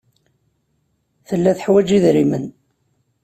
Tella teḥwaj idrimen.